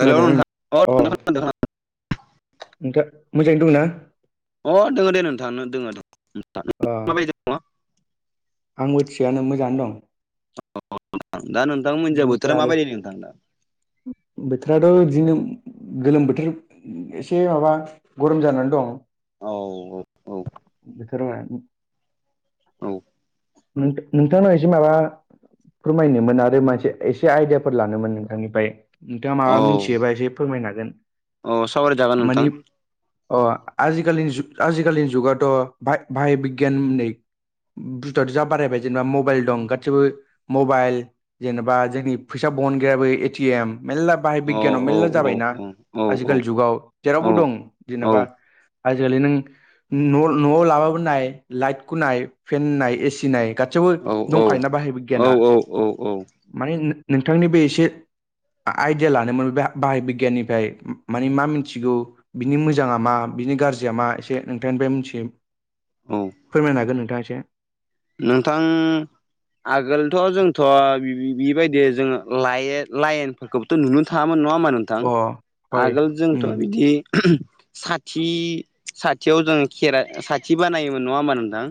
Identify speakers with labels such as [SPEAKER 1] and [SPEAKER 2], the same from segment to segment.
[SPEAKER 1] हेल' नोंथां
[SPEAKER 2] अ
[SPEAKER 1] नोंथां
[SPEAKER 2] नोंथा मोजाङैनो दं
[SPEAKER 1] अ दङ दे नोंथां दङो
[SPEAKER 2] अ
[SPEAKER 1] माबादि नङा
[SPEAKER 2] आंबो थिगानो मोजाङानो दं।
[SPEAKER 1] [unintelligible] दा नोंथांनि मोनजा
[SPEAKER 2] बिदिनोसै
[SPEAKER 1] बोथोरा
[SPEAKER 2] आरो
[SPEAKER 1] माबायदि नोंथां दा
[SPEAKER 2] बोथोराथ' बिदिनो गोलोम बोथोर एसे माबा गरम जानानै दं।
[SPEAKER 1] औ औ
[SPEAKER 2] बोथोरावहाय
[SPEAKER 1] औ
[SPEAKER 2] नोंथांनाव एसे माबा फोरमायनोमोन आरो मानसे एसे आइदियाफोर लानोमोन नोंथांनिफ्राय। नोंथाङा
[SPEAKER 1] औ
[SPEAKER 2] माबा मिथियोबा एसे फोरमायनो हागोन
[SPEAKER 1] औ सावरायजागोन नोंथां
[SPEAKER 2] मानि अ आजिखालिनि आजिखालिनि जुगाथ' भाहाय बिगियाननै बुस्थुआथ' जा बारायबाय जेनेबा मबाइल दं गासिबो मबाइल जेनेबा जोंनि फैसा बहनग्रयाबो एटिएम मेर्ला बाहाय
[SPEAKER 1] औ
[SPEAKER 2] बिगियानाव
[SPEAKER 1] औ
[SPEAKER 2] मेल्ला जाबायना।
[SPEAKER 1] औ औ औ
[SPEAKER 2] आजिखालि जुगाव जेरावबो
[SPEAKER 1] औ
[SPEAKER 2] दं जेनेबा आजिखालि नों न न'आव लाबाबो नाय लाइटखौ नाय फेन होननाय एसि नाय गासियावबो
[SPEAKER 1] औ
[SPEAKER 2] दंखायोोना बाहाय गियाना
[SPEAKER 1] औ औ औ
[SPEAKER 2] माने नोंथांनि बे एसे आइडिया लानोन बे बाहाय बिगियाननिफ्राय मानि मा मिथिगौ? बिनि मोजाङा मा बिनि गाज्रिया मा एसे नोंथांनिफ्राय मोनथि
[SPEAKER 1] औ
[SPEAKER 2] फोरमायनो हागोन नोंथाङा एसे।
[SPEAKER 1] नोंथां आगोलथ' जोंथ' बेबायदि जोङो लाइ लाइनफोरखौ थ' नुनो थाङामोन नङा होमा नोंथां
[SPEAKER 2] अ हय
[SPEAKER 1] आगोल जोंथ'
[SPEAKER 2] उम
[SPEAKER 1] बिदि साथि साथियाव जों खेराइ साथि बानायोमोन नङा होमबा नोंथां?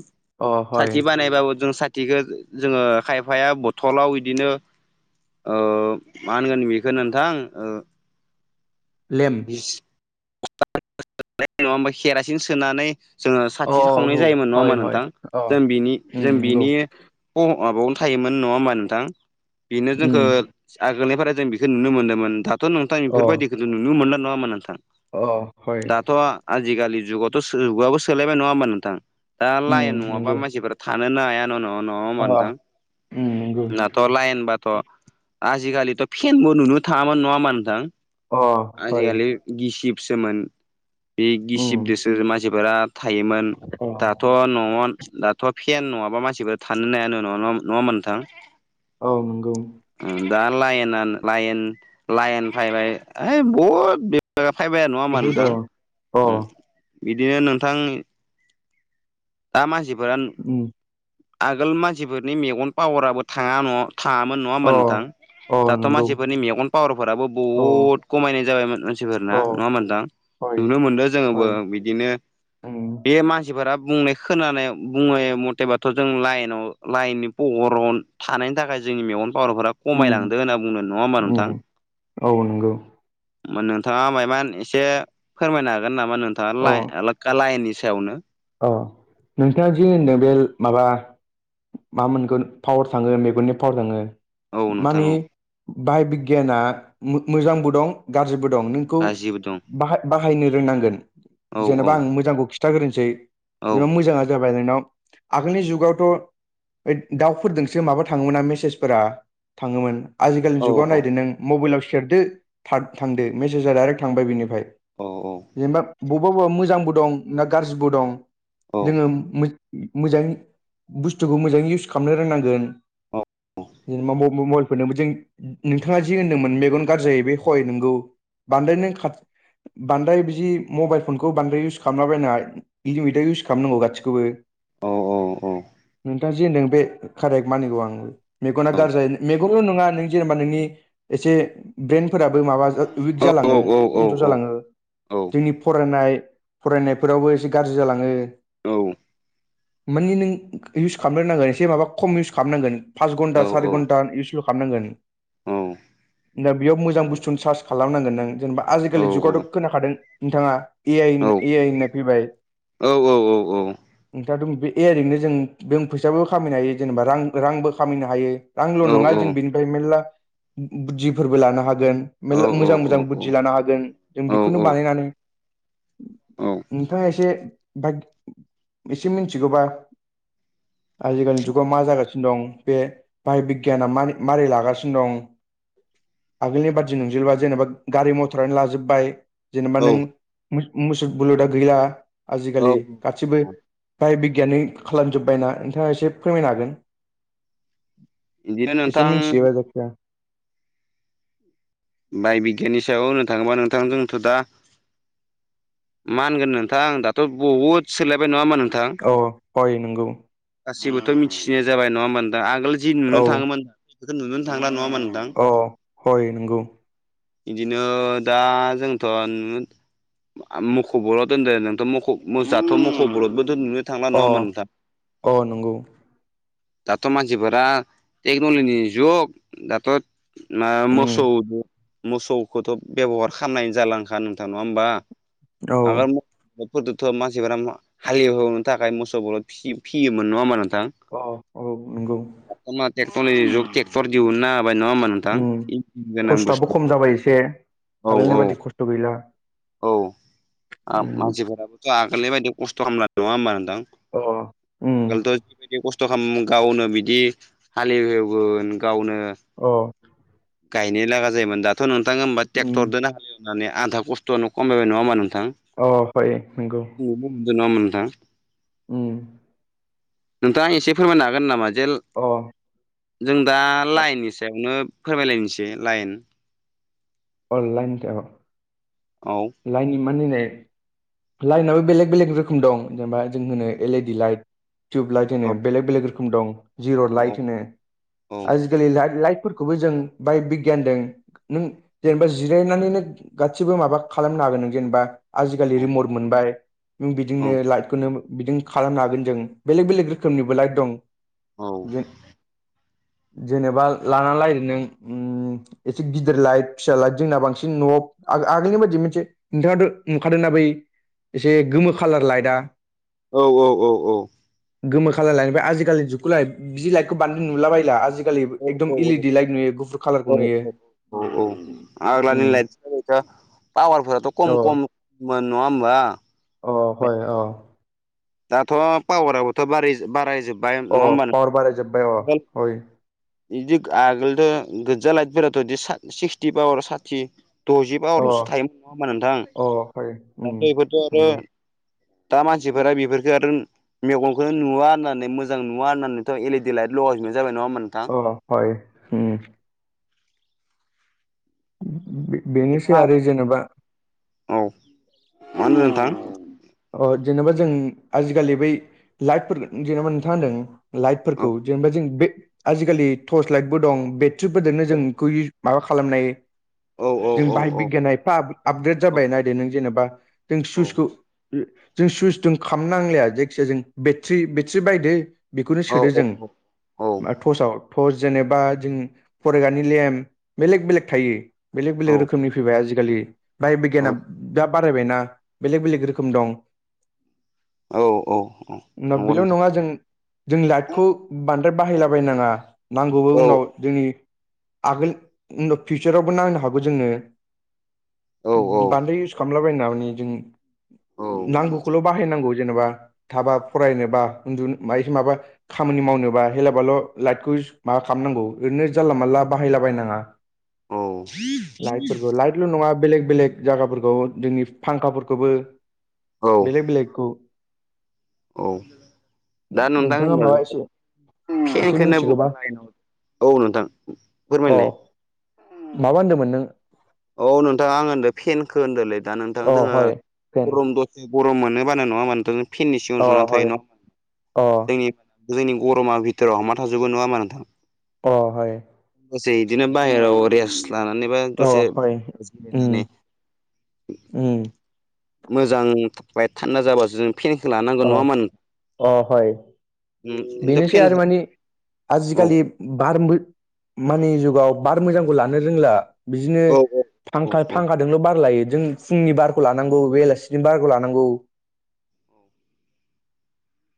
[SPEAKER 2] अ हय
[SPEAKER 1] साथि बानायबाबो जों साथिखौ जोङो खायफाया बथलाव बिदिनो मा होनगोन बेखौ नोंथां ओ
[SPEAKER 2] लेम
[SPEAKER 1] ङा [unintelligible] हा केरासिन सोनानै जोङो साथिसो खावनाय
[SPEAKER 2] औ
[SPEAKER 1] जायोमोन नङा होमा
[SPEAKER 2] हय हय
[SPEAKER 1] नोंथां
[SPEAKER 2] अ
[SPEAKER 1] जों बिनि
[SPEAKER 2] उम
[SPEAKER 1] जों
[SPEAKER 2] नंगौ
[SPEAKER 1] बिनि माबायावनो थायोमोन नङा होमबा नोंथां बेनो जोंखौ
[SPEAKER 2] उम
[SPEAKER 1] आगोलनिफ्राय जों बेखौ नुनो मोनदोंमोन दाथ' नोंथां
[SPEAKER 2] अ
[SPEAKER 1] बेफोरबायदिखौों नुनो मोनदों नङामोन नोंथां?
[SPEAKER 2] अ हय
[SPEAKER 1] दाथ' आजिखालि जुगावथ' जुगाबबो सोलायबाय नङा होमबा नोंथां? दा लाइन
[SPEAKER 2] उम
[SPEAKER 1] नङाबा
[SPEAKER 2] नंगौ
[SPEAKER 1] मानसिफोरा थानोनो हाया न' न नङा
[SPEAKER 2] अ
[SPEAKER 1] होमबा नोंथां?
[SPEAKER 2] उम नंगौ
[SPEAKER 1] थ' लाइन बाथ' आजिखालिथ' फेनबो नुनो थाङामोन नङा होनबा नोंथां?
[SPEAKER 2] अ हय
[SPEAKER 1] आजिखालि गिसिबसोमोन बे
[SPEAKER 2] उम
[SPEAKER 1] गिसिबजोंसो मानसिफोरा थायोमोन
[SPEAKER 2] अ
[SPEAKER 1] दा थ' न'आव दाथ' फेन नङाबा मानसिफोर थानो नायानो न नङामोन नोंथां?
[SPEAKER 2] औ नंगौ
[SPEAKER 1] दा लाइना लाइन लाइन फैबाय ओइ बहुद फायबाया नङा होमबा
[SPEAKER 2] बहुद अ
[SPEAKER 1] नोंथां?
[SPEAKER 2] अ
[SPEAKER 1] बिदिनो नोंथां दा मानसिफोरा
[SPEAKER 2] उम
[SPEAKER 1] आगोल मानसिफोरनि मेगन पावाराबो थाङा न थाङामोन नङा
[SPEAKER 2] अ
[SPEAKER 1] होमबा नोंथां?
[SPEAKER 2] अ
[SPEAKER 1] दाथ'
[SPEAKER 2] नंगौ
[SPEAKER 1] मानसिफोरनि मेगन पावारफोराबो
[SPEAKER 2] अ
[SPEAKER 1] बुहुद खमायनाय जाबायमोन मानसिफोरना
[SPEAKER 2] अ
[SPEAKER 1] नङा होमबा नोंथां
[SPEAKER 2] हय
[SPEAKER 1] नुनो मोनदों
[SPEAKER 2] हय
[SPEAKER 1] जोङोबो बिदिनो
[SPEAKER 2] उम
[SPEAKER 1] बे मानसिफोरा बुंनाय खोनानाय बुङनाय मथेबाथ' जों लाइनाव लाइननि पहर' थानायनि थाखाय जोंनि मेगन पावनफोरा
[SPEAKER 2] उम
[SPEAKER 1] खमायलांदो होनना बुंगोन नङा होमबा नोंथां?
[SPEAKER 2] उम औ नंगौ
[SPEAKER 1] नोंथाङा मायमान एसे फोरमायनो हागोन नामा नोंथाङा
[SPEAKER 2] अ
[SPEAKER 1] ला लाइननि सायावनो?
[SPEAKER 2] अ नोंथाङा जि होनदों बे माबा मा मोनगोन पावार थाङो मेगननि पावार थांगोन।
[SPEAKER 1] औ नोंथां
[SPEAKER 2] मानि
[SPEAKER 1] औ
[SPEAKER 2] बाहाय बिगियाना मोजांबो दं गाज्रिबो दं नों खौ
[SPEAKER 1] गासिबो दं
[SPEAKER 2] बाहायनो रोंनांगोन
[SPEAKER 1] औ
[SPEAKER 2] जेनेबा आं मोजांखौ खिथाग्रोनोसै।
[SPEAKER 1] औ
[SPEAKER 2] जेनेबा मोजाङा जाबाय नोंनाव आगोलनि जुगावथ' दाउफोरदोंसो माबा थाङोमोना मेसेजफोरा थाङोमोन। आजिखालिनि
[SPEAKER 1] औ
[SPEAKER 2] जुगाव
[SPEAKER 1] औ
[SPEAKER 2] नायदो नों मबाइलाव सेरदो थांदो मेसेजा डाइरेक्ट थांबाय बिनिफ्राय
[SPEAKER 1] औ
[SPEAKER 2] जेनेबा बबेबा बबेबा मोजांबो दं ना गाज्रिबो दं।
[SPEAKER 1] औ
[SPEAKER 2] जोङो मोजां बुस्थुखौ मोजाङै इउस खालामनो रोंनांगोन।
[SPEAKER 1] औ
[SPEAKER 2] जेनबा म मबेल फोरनोबो जों नोंथाङा जि होन्दोंमोन मेगन गाज्रि जायो बे हय नोंगौ बांद्राय नों खा बांद्राय बिदि मबाइल फनखौ बांद्राय इउस खालामलाबायनाय [unintelligible] इउस खालामनांगौ गासिखौबो
[SPEAKER 1] औ औ औ।
[SPEAKER 2] नोंथां जि होनदों बे कारेक्ट मानिगौ आं। मेगना गाज्रि जायो मेगनल' नङा नों जेनेबा नोंनि एसे ब्रेन्ड फोराबो माबा उइक जालाङो
[SPEAKER 1] औ औ
[SPEAKER 2] खमजर
[SPEAKER 1] औ
[SPEAKER 2] जालाङो
[SPEAKER 1] औ
[SPEAKER 2] जोंनि फरायनाय। फरायनायफोरावबो एसे गाज्रि जालाङो।
[SPEAKER 1] औ
[SPEAKER 2] मानि नों इउस खालामनो रोंनांगोन एसे माबा खम इउस खालामनांगोन पास घन्टा सारि घन्टा इउस खालामनांगोन।
[SPEAKER 1] औ।
[SPEAKER 2] दा बेयाव मोजां बुस्थुनि सार्च खालामनांगोन नों जेनबा आजिखालि जुगावथ' खोनाखादों। नोंथाङा ए आइ ए आइ होननाय फैबाय।
[SPEAKER 1] औ औ औ। औ औ।
[SPEAKER 2] नोंथाङाथ' बे ए आइ जों जों फैसाबो खामायनो हायो जेनेबा रां रांबो खामायनो हायो। आंल' नङा जों बेनिफ्राय मेरला बुद्धिफोरबो लानो हागोन मोजां मोजां बुद्धि लानो हागोन। जों बेखौनो बानायनानै नोंथाङा एसे एसे मिथिगौबा आजिखालिनि जुगाव मा जागासिनो। दं बे बाहाय बिगियाना मा मारै लागासिनो दं। आगोलनि बादि नंजोबला जेनेबा गारि मथरानो लाजोबबाय।
[SPEAKER 1] औ
[SPEAKER 2] जेनेबा नों मुसु बुलुदा गैला आजिखालि
[SPEAKER 1] औ
[SPEAKER 2] गासिबो बाय बिगियानि खालामजोब्बाय ना नोंथाङा एसे फोरमायनो हागोन।
[SPEAKER 1] बिदिनो
[SPEAKER 2] एसे
[SPEAKER 1] नोंथां
[SPEAKER 2] मिनसियोबा जायखिजाया।
[SPEAKER 1] बाय बिगियाननि सायाव होननो थाङोबा नोंथांजोंथ' दा। माहोनगोन नोंथांं दाथ' बुहुद सोलायबाय नङा होनबा नोंथां?
[SPEAKER 2] अ हय नोंगौ।
[SPEAKER 1] गासिबोथ' मिथिनाया जाबाय नङा होनबा नोंथां आगोल जिनुनो
[SPEAKER 2] औ
[SPEAKER 1] थाङोमोन दा बेफोरखो नुनोनो थांला नङा होमबा नोंथां?
[SPEAKER 2] अ हय नोंगौ।
[SPEAKER 1] बिदिनो दा जोंथ' नु मख'बर' दोनदो नोंथ' मख जाथ' मख'बलतबो दोङो। थांला नङा
[SPEAKER 2] अ
[SPEAKER 1] ओमबा नोंथां?
[SPEAKER 2] अ नंगौ
[SPEAKER 1] दाथ' मानसिफोरा टेक्न'लजिनि जुग दाथ' मा
[SPEAKER 2] उम
[SPEAKER 1] मोसौजों मोसौखौथ' बेब'हार खालामनाय जालांखा नोंथां नङा होमबा?
[SPEAKER 2] औ
[SPEAKER 1] [unintelligible] फोरखौथ' मानसिफोरा हाले एवनो थाखाय मोसौखौ फियोमोन नङा होमबा नोंथां?
[SPEAKER 2] अ औ नंगौ।
[SPEAKER 1] ट्रेक्टर जुग ट्रेक्टर दा बाय नङा ओमबा? नोंथां।
[SPEAKER 2] उम
[SPEAKER 1] गोनां
[SPEAKER 2] खस्थ'आबो
[SPEAKER 1] बुस्थु
[SPEAKER 2] खम जाबाय एसे
[SPEAKER 1] औ औ
[SPEAKER 2] आगोलनि बायदि खस्थ' गैला।
[SPEAKER 1] औ
[SPEAKER 2] उम
[SPEAKER 1] मानसिफोराबोथ' आगोलनि बायदि खस्थ' खामला नङा होमबा नोंथां?
[SPEAKER 2] अ उम
[SPEAKER 1] [unintelligible] बिदि खस्थ' खालाम गावनो बिदि हालेवहेवगोन गावनो
[SPEAKER 2] आ।
[SPEAKER 1] गायनो लागा जायोमोन दाथ' नोंथाङा होमबा
[SPEAKER 2] उम
[SPEAKER 1] ट्रेक्टरदोनो हायो। होननानै आधा खस्थ'आनो खमायबाय नङा होमबा नोंथां?
[SPEAKER 2] अ [unintelligible] नंगौ
[SPEAKER 1] आंबो [unintelligible] नङा ओमबा नोंथां
[SPEAKER 2] उम
[SPEAKER 1] नोंथाङा एसे फोरमायनो हागोन नामा जे
[SPEAKER 2] अ
[SPEAKER 1] जों दा लाइननि सायावनो फोरमायलायनोसै लाइन।
[SPEAKER 2] अ लाइन
[SPEAKER 1] औ
[SPEAKER 2] लाइननि मानि होननाय लाइनाबो बेलेक बेलेग रोखोम दं जेनेबा जों होनो एलडि लाइट टिउब लाइट
[SPEAKER 1] औ
[SPEAKER 2] होनो बेलेक बेलेग रोखोम दं जिर'
[SPEAKER 1] औ
[SPEAKER 2] लाइट होनो
[SPEAKER 1] औ
[SPEAKER 2] आरो गोरलै लाइटफोरखौबो जों बाहाय बिगियानदों। नों जेनेबा जिरायनानैनो गासिबो माबा खालामनो हागोन नों जेनेबा आजिखालि रिमट मोनबाय न
[SPEAKER 1] औ
[SPEAKER 2] बिदिनो
[SPEAKER 1] औ
[SPEAKER 2] लाइटखौनो बिदिनो खालामनो हागोन जों बेलेक बेलेक रोखोमनिबो लाइट दं
[SPEAKER 1] औ
[SPEAKER 2] बिदि जेनेबा लाना लाइन नों उम एसे गिदिर लाइथ फिसा लाइट जोंना बांसिन न'आव आगोलनि बाय दि मोनसे नोंथाङाथ' नुखादोंना बै एसे गोमो खाालार लाइटआ
[SPEAKER 1] औ औ औ औ
[SPEAKER 2] गोमो खालाम लायट बे आजिलि जुगखौ लाइ बिदि लाइटखौ बान्द नुलाबायला आजिखालि आजिखालि एकदम इलडि लाइट नुयो गुफुर
[SPEAKER 1] औ
[SPEAKER 2] कालारखौ नुयो
[SPEAKER 1] औ आग्लानि
[SPEAKER 2] उम
[SPEAKER 1] लाइट पावारफोराथ' खम
[SPEAKER 2] अ
[SPEAKER 1] खममोन नङा होमबा?
[SPEAKER 2] अ हय अ
[SPEAKER 1] दाथ' पावाराबोथ' बारि बाराय जोब
[SPEAKER 2] अ पावार बाराय जोब्बायाय अय
[SPEAKER 1] बिदि आगोलथ' गोजा लाइटफोराथ' इदि सिक्सटि पावार साथि द'जिबा
[SPEAKER 2] अ
[SPEAKER 1] ल'सो थायोमोन नङा होमबा नोंथां
[SPEAKER 2] अ हय उम
[SPEAKER 1] दाथ' बेफोरथ' आरो
[SPEAKER 2] नंगौ
[SPEAKER 1] दा मानसिफोरा बेफोरखौ आरो मेगनखौनो नुवा होननानै मोजां नुवा होननानैथ' एलिडि लाइट लगाय जोबनाय जाबाय नङा ओमबा नोंथां?
[SPEAKER 2] अ हय अ बेनोसै आरो जेनबा
[SPEAKER 1] औ मा होनदों नोंथां?
[SPEAKER 2] अ जेनेबा जों आजिखालि बै लाइटफोर जेनबा नोंथांआ होनदों
[SPEAKER 1] औ
[SPEAKER 2] लाइटफोरखौ जेनेबा जों बे आजिखालि टर्च लाइटबो दं बे थ्रिफोरजोंनो जों बेखौ माबा खालामनाय
[SPEAKER 1] औ
[SPEAKER 2] जों
[SPEAKER 1] औ
[SPEAKER 2] बाहाय बिगियान एफा आपग्रेद जाबाय नायदो नों जेनेबा नों सुइसखौ जों सुइसजोंों खाम नांलाया जायखियााया जों बेट्रि बेट्रि बायदो। बेखौनो
[SPEAKER 1] औ
[SPEAKER 2] सोदो जों टर्सआव फट जेनेबा जों फरायगानि लेम बेलेग बेलेक थायो। बेलेग बेलेग
[SPEAKER 1] औ
[SPEAKER 2] रोखोमनि फैबाय आजिखालि बाहाय
[SPEAKER 1] औ
[SPEAKER 2] बिगियाना दा बारायबायना बेलेक बेलेक रोखोम
[SPEAKER 1] औ औ
[SPEAKER 2] न
[SPEAKER 1] नंगौ
[SPEAKER 2] बेल' नङा जों जों
[SPEAKER 1] नोंथां
[SPEAKER 2] लाइटखौ बांद्राय बाहायलाबायनाङा नांगौबो
[SPEAKER 1] औ
[SPEAKER 2] उनाव जोंनि आगोल उन फिउचारावबो नांनो हागौ जोङो।
[SPEAKER 1] औ
[SPEAKER 2] बान्दो इउस खालामलाबाय ना माने जों
[SPEAKER 1] औ
[SPEAKER 2] नांगौखौल' बाहायनांगौ जेनेबा थाबा फरायनोबा उन्दुनो माय माबा खामानि मावनोबा हेलाबाल' लाइटखौ माबा खालामनांगौ ओरैनो जानला मानला बाहायलाबायनाङा।
[SPEAKER 1] औ
[SPEAKER 2] लाइट फोरखौ लाइत बेल' नङा बेलेग बेलेग जायगाफोरखौ जोंनि फांखाफोरखौबो
[SPEAKER 1] औ
[SPEAKER 2] बेलेग बेलेग औ
[SPEAKER 1] औ दा नुदां होनब ज [unintelligible]
[SPEAKER 2] एसे
[SPEAKER 1] फेनखौनो
[SPEAKER 2] मिथिगौबा
[SPEAKER 1] लाइनाव औ नोंथां
[SPEAKER 2] अ
[SPEAKER 1] फोरमायलाय।
[SPEAKER 2] माबा होनदोंमोन नों?
[SPEAKER 1] औ नोंथां आं होनदों फेनखो होनदोंलै दा नोंथां जोङो गरम दसे गरम मोनोबानो नङा मानोथों फेननि सिङाव जुनानै थायो नङा जोंनि जोंनि गरमा बिथोराव हमा थाजोबो नङामा नोंथां?
[SPEAKER 2] अ हाय
[SPEAKER 1] दसे बिदिनो बाहेरायाव रेस लानानैबा दसे
[SPEAKER 2] और
[SPEAKER 1] जिरायनानै
[SPEAKER 2] उम उम।
[SPEAKER 1] मोजां थान्दा जाबासो जों फेनखौ लानांगौ नङा होमबा नोंथां?
[SPEAKER 2] बेनोसै
[SPEAKER 1] फेन
[SPEAKER 2] आरो माने
[SPEAKER 1] औ
[SPEAKER 2] आजिखालि बार मानि जुगाव बार मोजांखौ लानो रोंला बिदिनो
[SPEAKER 1] औ औ औ
[SPEAKER 2] फांखा फांखाजोंल' बार लायो जों फुंनि बारखौ लानांगौ बेलासिनि बारखौ लानांगौ।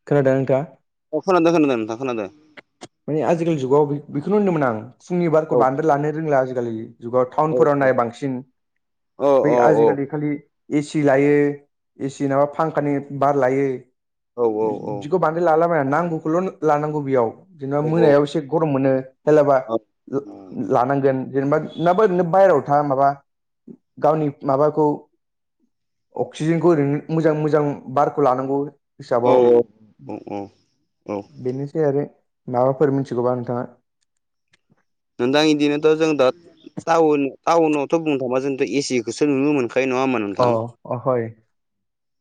[SPEAKER 2] खोनादों नोंथाङा?
[SPEAKER 1] खोनादादों खोनादों खोनादों।
[SPEAKER 2] माने आजिखालि जुगाव बेखौनो होनदोंमोन आं फुंनि बारखौ
[SPEAKER 1] औ
[SPEAKER 2] बांद्राय लानो रोंला आजिखालि जुगाव
[SPEAKER 1] औ
[SPEAKER 2] टाउनफोराव नाय बांसिन
[SPEAKER 1] औ
[SPEAKER 2] बै
[SPEAKER 1] औ
[SPEAKER 2] आजिखालि खालि एसि लायो एसि नाबा फांखानि बार लायो
[SPEAKER 1] औ औ
[SPEAKER 2] बिदिखौ बानाय म लालाबायना नांगौखौल' लानांगौ बेयाव जेनेबा मोनायाव एसे गरम मोनो। हेलाबा लानांगोन जेनेबा माबा ओरैनो बायहेरायाव था माबा गावनि माबाखौ अक्सिजेनखौ ओरैनो मोजां मोजां बारखौ लानांगौ।
[SPEAKER 1] औ
[SPEAKER 2] हिसाबाव
[SPEAKER 1] औ औ औ।
[SPEAKER 2] बेनोसै आरो माबाफोर मिथिगौबा नोंथाङा?
[SPEAKER 1] नोंदां इदिनोथ' जों दा टाउन टाउनावथ' बुंनो थाङा जोंथ' एसिखौसो नुनो मोनखायो नङा होम
[SPEAKER 2] अ [unintelligible]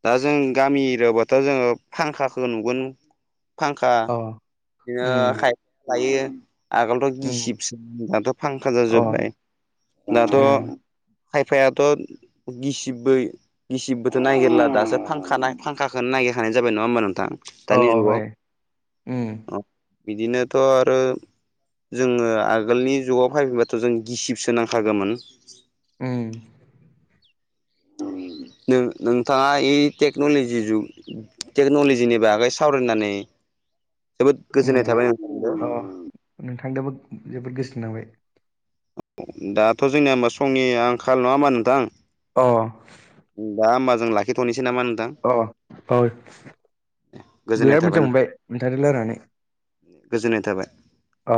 [SPEAKER 1] दा जों गामि एरियाबाथ' जोङो फांखाखौ नुगोन। फांखा
[SPEAKER 2] अ
[SPEAKER 1] बिदिनो
[SPEAKER 2] उम
[SPEAKER 1] खाय लायो आगोलथ' गिसिब
[SPEAKER 2] उम
[SPEAKER 1] दाथ' फांखा
[SPEAKER 2] अ
[SPEAKER 1] जाजोब्बाय दाथ'
[SPEAKER 2] उम
[SPEAKER 1] खायफायाथ' गिसि गिसिबबोथ' नागिरला दासो फांखा फांखाखौनो नागिर हानाय जाबाय नङा होमबा नोंथां?
[SPEAKER 2] अ
[SPEAKER 1] दानि
[SPEAKER 2] हय उम
[SPEAKER 1] जुगाव बिदिनोथ' आरो जोङो आगोलनि जुगाव फैफिनबाथ' जों गिसिबसो नांखागौमोन।
[SPEAKER 2] उम।
[SPEAKER 1] ों नोंथाङा इ टेक्न'लजि जुग टेक्न'लजिनि बागै सावरायनानै जोबोद गोजोननाय
[SPEAKER 2] उम
[SPEAKER 1] थाबाय नोंथांजों
[SPEAKER 2] अ नोंथांजोंबो जोबोद गोसो नांबाय।
[SPEAKER 1] दाथ' जोंनिया हबा समनि आंखाल नङा हा नोंथां।
[SPEAKER 2] अ।
[SPEAKER 1] दा ह होनब जों लािथ'सै नामा नोंथां।
[SPEAKER 2] अ अ औ
[SPEAKER 1] गोजोननाय
[SPEAKER 2] बिराद मोजां
[SPEAKER 1] थाबाय
[SPEAKER 2] मोनबाय मोनथादो लानानै
[SPEAKER 1] गोजोननाय थाबाय।
[SPEAKER 2] अ।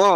[SPEAKER 1] अ।